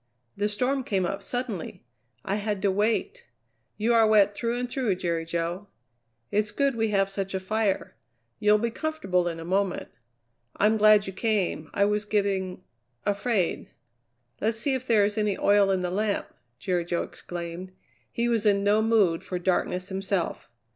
The storm came up suddenly. I had to wait. You are wet through and through, Jerry Jo. It's good we have such a fire. You'll be comfortable in a moment. I'm glad you came; I was getting afraid." "Let's see if there is any oil in the lamp!" Jerry Jo exclaimed. He was in no mood for darkness himself.